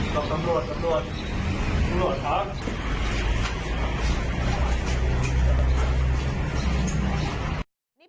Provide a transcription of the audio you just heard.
ต้องตำรวจตำรวจ